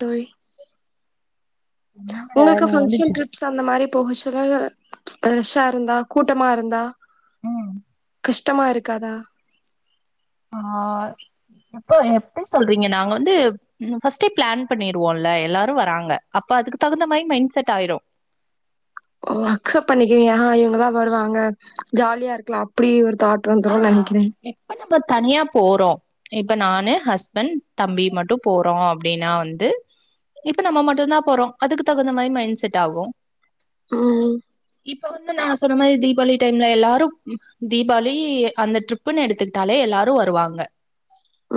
தோழி உங்களுக்கு function trip அந்த மாரி போகச்சல்ல ரஷ்ஷா இருந்தா கூட்டமா இருந்தா கஷ்டமா இருக்காதா ஆ எப்போ எப்டி சொல்றீங்க நாங்க வந்து ம் ஃபர்ஸ்டே பிளான் பண்ணிருவோல்ல எல்லாரு வராங்க அப்ப அதுக்குதந்த மாய் மைண்ட் செட் ஆயிரு ஓ அக்சப்ட் பண்ணிக்கிவியா இவங்கலா வருவாங்க ஜாலியா இருக்கலா அப்டி ஒரு தாட் ஆ வந்துரு நெனக்கிறே இப்ப நம்ப தனியா போறோ இப்ப நானு ஹஸ்பண்ட் தம்பி மட்டு போறோ அப்டின்னா வந்து இப்ப நம்ம மட்டுதா போறோ அதுக்கு தகுந்த மாய் மைண்ட் செட் ஆகு ம் இப்ப வந்து நா சொன்ன மாரி தீபாவளி டைம்ல எல்லாரு தீபாவளி ரி அந்த ட்ரிப்புன் எடுத்துக்கிட்டாலே எல்லாரு வருவாங்க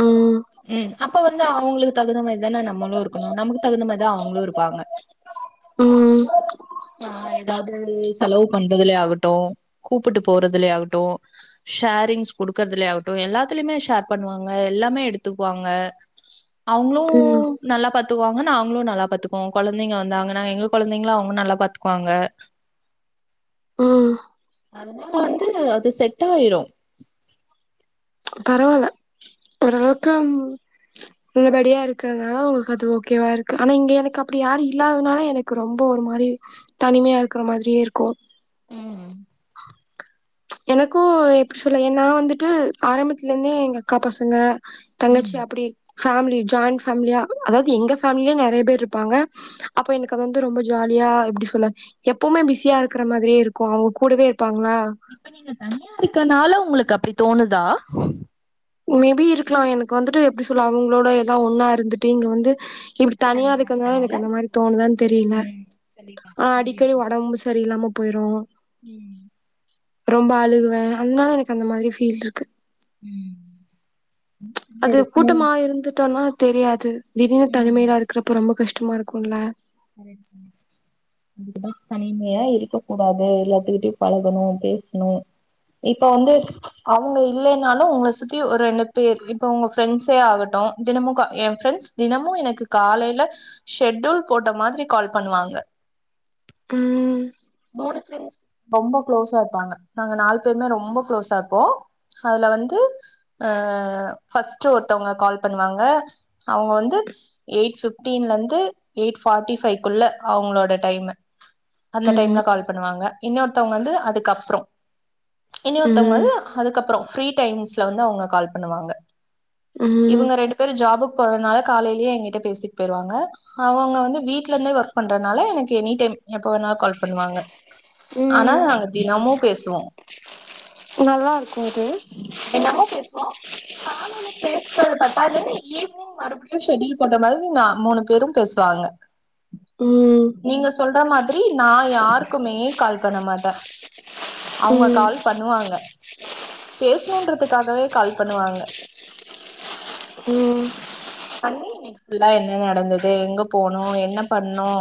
ம் ம் அப்ப வந்து அவுங்குளுக்கு தகுந்த மாரிதானா நம்மளு இருக்கணும் நமக்கு தகுந்த மாரிதான் அவுங்ளு இருப்பாங்க ம் ஆ எதாவ்து [unintelligible] செலவு பண்றதுலே ஆகட்டு கூப்புட்டு போறதுலயே ஆகட்டு ஷேரிங்ஸ் குடுக்கறதுலே ஆகட்டு எல்லாத்திலிமே ஷேர் பண்ணுவாங்க எல்லாமே எடுத்துக்குவாங்க அவுங்ளு ம் நல்லா பாத்துக்குவாங்க நாங்களு நல்லா பாத்துக்வோ கொழந்தைங்க வந்தாங்கனா எங்க கொழந்தைங்ள அவ்ங்க நல்லா பாத்துக்குவாங்க ம் அதுனால வந்து அது செட்டாய்ரு பரவால்ல ஓரளவுக்கம் [unintelligible] ரெடியாக இருக்கிறதுனால அவுங்களுக்கு அது ஓகேவாக இருக்கு ஆனா இங்க எனக்கு அப்டி யாரு இல்லாததுனால எனக்கு ரொம்ப ஒரு மாரி தனிமையா இருக்கற மாத்ரியே இருக்கு எனக்கு எப்டி சொல்ல ஏ நா வந்துட்டு ஆரம்பத்துலந்தே எங்க அக்கா பசங்க தங்கச்சி அப்டி ஃபேம்லி ஜாய்ன் ஃபேமிலியா அதாவ்து எங்க ஃபேமிலியே நெறைய பேர் இருப்பாங்க அப்ப எனக் க்க வந்து ரொம்ப ஜாலியா எப்டி சொல்ல எப்பவ்மே பிஸியா இருக்கிற மாதிரியே இருக்கு அவ்ங்க கூடவே இருப்பாங்ளா நீங்க தனியா இருக்கனால உங்களுக்கு அப்டி தோணுதா மேபி இருக்கலா எனக்கு வந்துட்டு எப்டி சொல்ல அவங்களோட எல்லா ஒன்னா இருந்துட்டு இங்க வந்து இப்டி தனியா இருக்கிறதுனால எனக்கு அந்த மாரி தோணுதான் தெரில ஆ அடிக்கடி ஒடம்பு சரியில்லாம போய்ரு ம் ரொம்ப அழுகுவே அதனால எனக்கு அந்த மாத்ரி ஃபீல்ட்ருக்கு ம் ம் அது கூட்டமா இருந்துட்டோனா தெரியாது திடீனு தனிமயா இருக்கிறப்ப ரொம்ப கஷ்டமா இருக்குல்ல செரி [unintelligible] அதுக்குதா தனிமையா இருக்க கூடாது எல்லாத்துக்கிட்டயு பழகணு பேசணு இப்ப வந்து அவுங்க இல்லேன்னாலு உங்கள சுத்தி ஒரு ரெண்டுப் பேர் இப்ப உங்க ஃப்ரெண்ட்ஸே ஆகட்டு தினமுக எ ஃப்ரெண்ட்ஸ் தினமு எனக்கு காலைல ஷெட்யூல் போட்ட மாரி கால் பண்ணுவாங்க ம் போனு ஃபிரெண்ட்ஸ் ரொம்ப குளோஸா இருப்பாங்க நாங்க நால்ப் பேருமே ரொம்ப குளோஸா இர்ப்போ அதுல வந்து அ ஃபர்ஸ்ட்டு ஒருத்தவுங்க கால்ப் பண்ணுவாங்க அவுங்க வந்து எய்ட் பிப்டீன்லந்து எய்ட் ஃபார்டி ஃபைவ்குள்ள அவங்களோட டைமு அந்த ம் டைம்ல கால் பண்ணுவாங்க இன்னொருத்தவங்க வந்து அதுக்கப்றோ இன்னொத்தவங்க ம் வந்து அதுக்கப்றோ ஃப்ரீ டைம்ஸ்ல வந்து அவுங்க கால் பண்ணுவாங்க ம் இவங்க ரெண்டு பேர் ஜாபுக்கு போறனால காலைலே எங்கிட்ட பேசிட்டு போய்ருவாங்க அவுங்க வந்து வீட்ல இருந்தே வொர்க் பண்றனால எனக்கு எனி டைம் எப்ப வேணா கால்ப் பண்ணுவாங்க ஆனா ம் நாங்க தினமு பேசுவோ நல்லாருக்குங்கே ஆனா நீப் பேச்னததப் பாத்தானென்னி ஈவினிங் மறுபுடியு ஷெடியூல் போட்ட மாதிரி நா மூனு பேரும் பேசுவாங்க ம் நீங்க சொல்ற மாதிரி நான் யாருக்குமே கால் பண்ண மாட்ட அவ்ங்க ம் கால் பண்ணுவாங்க பேசணுன்றதுக்காகவே கால் பண்ணுவாங்க ம் பண்ணி நேத்துபுல்லா என்ன நடந்த து எங்க போனோ என்ன பண்னோ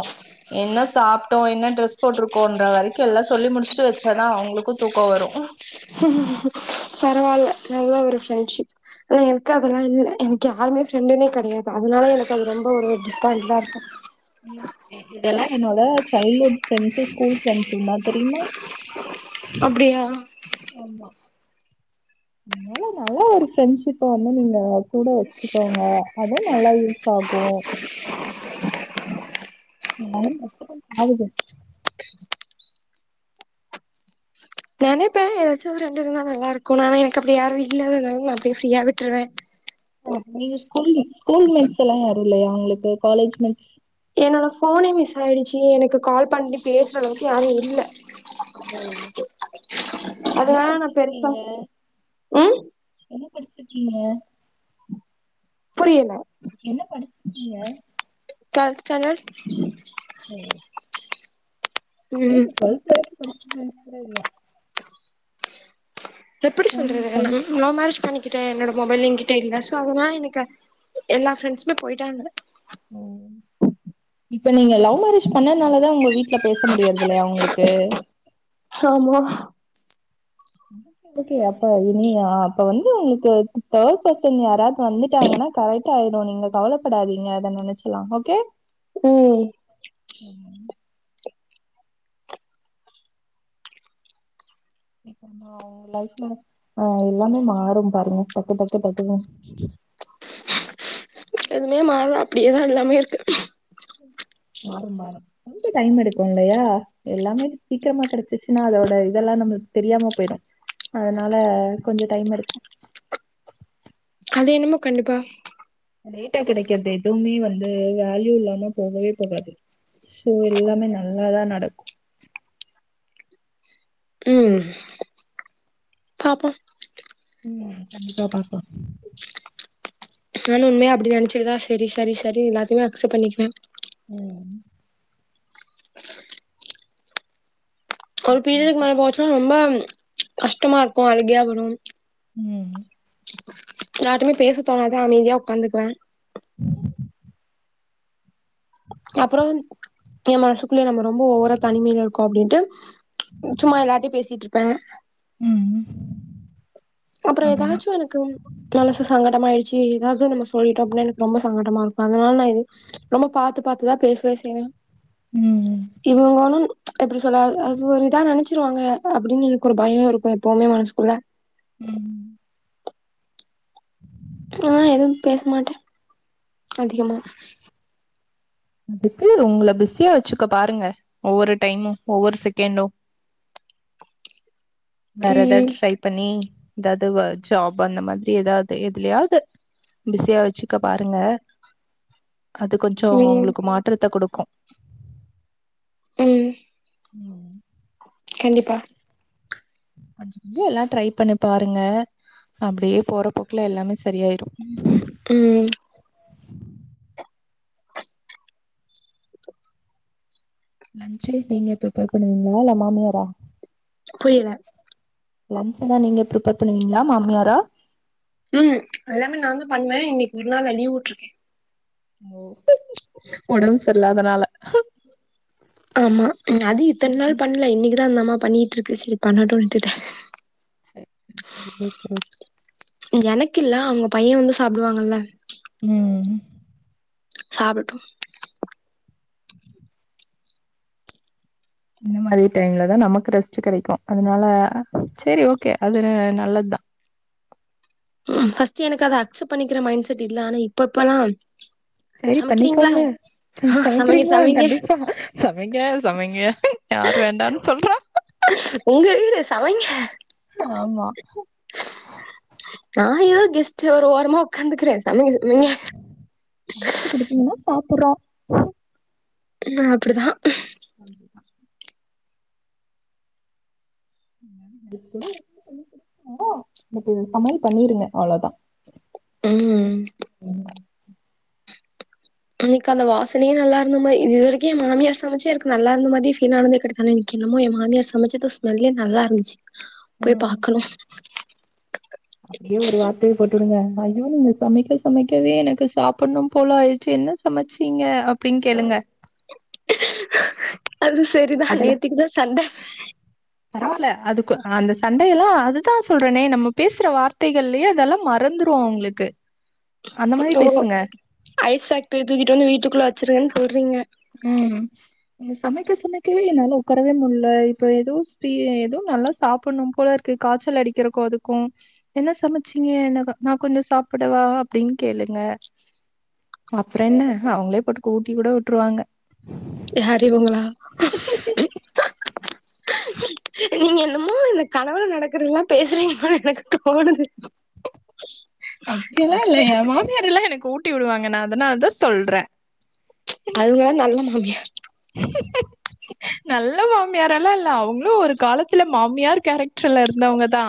என்ன சாப்ட்டோ என்ன ட்ரெஸ் போட்ருக்கோன்ற வரைக்கு எல்லா சொல்லி முடிச்சுட்டு வச்சாதா அவங்களுக்கு தூக்கோ வரு பரவால்ல நல்ல ஒரு ஃப்ரெண்ட்ஷிப் ஆனா எனக்கு அதெல்லா இல்ல என்க்கு யாருமே ஃப்ரெண்டுனே கிடையாது அதனால எனக்கு அது ரொம்ப ஒரு டிஸபாயண்ட்டா இருக்கு இதெல்லா என்னோட சைல்டுஹுட் ஃப்ரெண்ட்ஸ்சு ஸ்கூல் ஃப்ரெண்ட்ஸ்சு தா தெரியுமா அப்டியா ஆமா அதனால நல்ல ஒரு ஃப்ரெண்ட்ஷிப்ப வந்து நீங்க கூட வச்சுக்கோங்க அதுவு நல்லா யூஸ் ஆகு [unintelligible] நெனப்பே ஏதாச்சு ரெண்டு இருந்தா நல்லா இருக்குனு ஆனா எனக்கு அப்டி யாரு இல்லாததுனால நா அப்டியே ஃப்ரீயா விட்ருவே ஆ நீங்க ஸ்கூல் மெட் ஸ்கூல் மெட்ஸ்லா யாரு இல்லையா உங்களுக்கு காலேஜ் மெட்ஸ் என்னோட ஃபோனே மிஸ் ஆயிடுச்சு எனக்கு கால் பண்ணி பேசுற அளவுக்கு யாரு இல்ல ஓ என்ன அதனால நா பெருசா படிச்சிருக்கீங்க ம் என்ன படிச்சிருக்கீங்க புரியல என்ன படிச்சிருக்கீங்க டொல்த் ஸ்டாண்டர்ட் ஓ ம் ம் [unintelligible] இல்ல எப்படி சொல்றது [unintelligible] லவ் மேரேஜ் பண்ணிக்கிட்டே என்னோட மொபைல் எங்கிட்ட இல்ல சோ அதுனால எனக்கு எல்லா ஃப்ரெண்ட்ஸுமே போயிட்டாங்க ஓ இப்ப நீங்க லவ் மேரேஜ் பண்ணதுனாலதா உங்க வீட்ல பேச முடியறதில்லையா உங்களுக்கு ஆமா ஓகே அப்ப இனி அப்ப வந்து உங்களுக்கு தேர்டுபர்சன் யாராவது வந்துட்டாங்கன்னா கரெக்டு ஆயிடு நீங்க கவலைப்படாதீங்க அத நெனைச்சலா ஓகே ம் ம் இப்ப நா உ லைஃப்ல ஆ எல்லாமே மாறு பாருங்க டக்கு டக்கு டக்குன்னு எதுமே மாறல அப்டியேதா எல்லாமே இருக்கு மாறும் மாறும் கொஞ்ச டைம் எடுக்கு இல்லையா எல்லாமே சீக்கிரமா கெடைச்சிச்சுன்னா அதோட இதெல்லா நம்மளுக்கு தெரியாம போயிடு அதனால கொஞ்ச டைம் எடுக்கு அது என்னமோ கண்டிப்பா லேட்டா கெடைக்கறது எதுவுமே வந்து வேல்யூ இல்லாம போகவே போகாது ஸோ எல்லாமே நல்லாதா நடக்கு ம் பாப்போ ம் கண்டிப்பா பாப்போ நானு உண்மையா அப்டி நெனைச்சிட்டுதா சேரி சரி சரினு எல்லாத்துயுமே அக்சப்ட் பண்ணிக்குவே ம் ஒரு பீரியடுக்கு மேல போச்சுன்னா ரொம்ப கஷ்டமா இருக்கு அழுகயா வரு ம் யார்ட்டமே பேச தோனாது அமைதியா ஒக்காந்துக்குவே அப்புறம் என் மனசுக்குள்ளேயே நம்ம ரொம்ப ஓவரா தனிமையில இருக்கோ அப்டின்ட்டு சும்மா எல்லார்ட்டயு பேசிட்டு இருப்பே ம் அப்புற ஏதாச்சு எனக் க்கு மனசு சங்கடம் ஆயிடுச்சு ஏதாவது நம்ம சொல்லிட்டோ அப்டின்னா எனக்கு ரொம்ப சங்கடமா இருக்கு அதனால நா இது ரொம்ப பாத்து பாத்து தா பேசுவே செய்வே ம் இவுங்க ஒன்னு எப்படி சொல்லா அது ஒரு இதா நெனைச்சிருவாங்க அப்டின்னு எனக்கு ஒரு பயோ இருக்கு எப்போவுமே மனசுக்குள்ள ம் ஆ எதுவு பேச மாட்டே அதிகமா துக்கு ஒங்கள பிஸியா வச்சுக்க பாருங்க ஒவ்வொரு டைமு ஒவ்வொரு செகண்டு வேற எதாவது ம் ட்ரை பண்ணி எதாவது வ ஜாப்பு அந்த மாதிரி எதாவது எதுலயாவது பிஸியா வச்சுக்க பாருங்க அது கொஞ்சோ ம் ஒங்களுக்கு மாற்றத்த குடுக்கு ம் ம் கண்டிப்பா கொஞ்ச கொஞ்சோ எல்லா ட்ரை பண்ணி பாருங்க அப்டியே போறபோக்குல எல்லாமே சரியாய்டு ம் லன்ச்சு நீங்க பிரிப்பேர் பண்ணுவீங்களா இல்ல மாமியாரா புரியல லன்ச்சு எல்லா நீங்க பிரிப்பர் பண்ணுவீங்களா மாமியாரா ம் அதல்லாமே நா தா பண்ணுவே இன்னக்கி ஒரு நாள் நா லீவ் உட்ருக்கே ஓ ஒடம்பு சர்லாதனால ஆமா அது இத்தன் நாள் பண்ல இன்னக்குதா அந்தந்தம்மா பண்ணிட்டு இருக்கு சரி பண்ணடுன் விட்டுடே சர் சர் ஓகே ஓ எனக்கு இல்ல அவுங்க பையே வந்து சாப்டுவாங்கல்ல ம் சாப்பட்டு இந்த மாரி டைம்ல தா நமக்கு ரெஸ்ட் கெடைக்கு அதுனால சரி ஓகே அதுன நல்லது தா ம் ஃபஸ்ட் எனக்கு அத அக்சப்ட் பண்ணிக்கிற மைண்ட் செட் இல்ல ஆனா இப்ப இப்பல்லா சரி பண்ணிக்கோங்க சமைங்க சமைக்கிறீங்களா சமைங்க. கண்டிப்பா சமைங்க சமைங்க யார் வேண்டான் சொல்றா ஒங்க வீடு சமைங்க ஆமா நா யாரு கெஸ்ட்டு ஒரு ஓரமா உக்காந்துகிறே சமச்சு குடுப்பீங்கன்னா சாப்புற்றோ நா அப்டிதா [unintelligible] [unintelligible] இன்னக்கி இது சமையல் பண்ணீருங்க அவ்ளோதா ம் அன்னக்கு கால்ல வாசனையே நல்ல இருந்த மாரி இதுவரைக்கு என் மாமியார் சமைச்சு எனக்கு நல்லா இருந்த மாதி ஃபீல் ஆனதே கெடைக்கலை என்னமோ எ மாமியார் சமைச்சது ஸ்மெல்லே நல்லா இருந்துச்சு போய் பாக்கணு அப்டியே ஒரு வார்த்தையை போட்டு வுடுங்க ஐயோ நீங்க சமைக்க சமைக்கவே எனக்கு சாப்பன்ணு போல ஆய்ருச்சு என்ன சமச்சிங்க அப்டின் கேளுங்க அது சரிதா அத நேத்திக்குதா சண்ட பரவால்ல அதுக்கு அந்த சண்டையல்லா அதுதா சொல்றேனே நம்ம பேசுற வார்த்தைகள்லயே அதெல்லா மறந்துரு அவுங்களுக்கு அந்த மாரி ஓ பேசுங்க ஐஸ் பேக்ட்ரிய தூக்கிட்டு வந்து வீட்டுக்குள்ள வச்சுருவேன் சொல்றீங்க ம் நீங்க சமைக்க சமைக்கவே என்னால உக்காரவே முட்ல இப்ப எதோ ஸ்பீ எதோ நல்லா சாப்பன்ணு போல இருக் கு காச்சல் அடிக்கறக்கு அதுக்கு என்ன சமைச்சீங்க என்ன நா கொஞ்ச சாப்புடவா அப்டின் கேளுங்க அப்பறோ என்ன அவுங்களே போட்டு கூ ஊட்டி கூட விட்ருவாங்க யாரு இவுங்களா நீங்க என்னமோ எனக் கனவுல நடக்கறதெல்லா பேசுறீங்களோனு எனக்கு தோணுது அப்டி எல்லா இல்ல எ மாமியார் எல்லா எனக்கு ஊட்டி விடுவாங்க நா அதனால தா சொல்றே அவுங்க நல்ல மாமியார் நல்ல மாமியாரெல்லா இல்ல அவுங்களு ஒரு காலத்துல மாமியார் கேரக்டர்ல இருந்தவங்கதா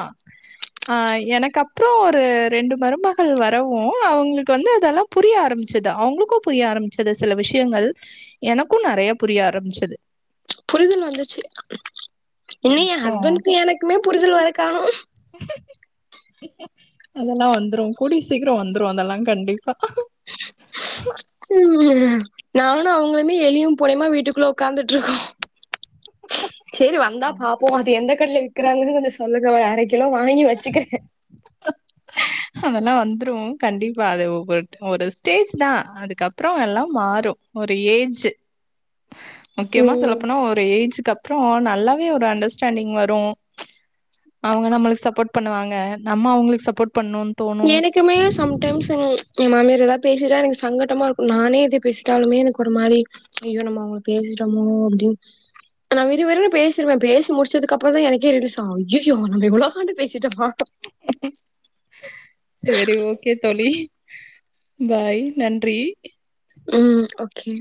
ஆ எனக்கு அப்புறோ ஒரு ரெண்டு மருமகள் வரவு அவுங்களுக்கு வந்து அதெல்லா புரிய ஆரம்பிச்சது அவுங்களுக்கு புரிய ஆரம்பிச்சது சில விஷயங்கள் எனக்கு நறைய புரிய ஆரம்பிச்சது புரிதல் வந்துச்சு இன்னு எ அப்புறம் ஹஸ்பண்டுக்கு எனக்குமே புரிதல் வரக்காணோ அதெல்லா வந்துரு கூடிய சீக்கிரோ வந்துரு அதெல்லா கண்டிப்பா ம் நானு அவுங்களுமே எலியு பூனையுமா வீட்டுகுள்ள உக்காந்துட்ருக்கோ செரி வந்தா பாப்போ அது எந்த கடைல விக்கிறாங்கன்னு கொஞ்சோ சொல்லுங்க ஒரு அரக் கிலோ வாங்கி வெச்சுக்கிறே அதெல்லா வந்துரு கண்டிப்பா அது ஒவ்வொரு ஒரு ஸ்டேஜ்தா அதுக்கப்றோ எல்லா மாறு ஒரு ஏஜு முக்கியமா சொல்ல ம் போனா ஒரு ஏஜுக்கு அப்றோ நல்லாவே ஒரு அண்டர்ஸ்டாண்டிங் வரு அவுங்க நம்மளுக்கு சப்போட் பண்ணுவாங்க நம்ம அவுங்களுக்கு சப்போட் பண்ணு எனக் குமே சம் டைம்ஸ் எ மாமியார் எதா பேசிட்டா எனக்கு சங்கட்டமா இருக்கு நானே இது பேசிட்டாலுமே எனக்கு ஒரு மாரி ஐயோ நம்ம அவுங்கள பேசிட்டோமோ அப்டினு நா விருவிருனு பேசிருவே பேசி முடிச்சதுக்கப்பறோதா எனக்கே ரிலிசா ஐயய்யோ நம்ம இவ்ளோக்காண்டு பேசிட்டோமா செரி ஓகே தோழி பாய் நன்றி ம் ஓகே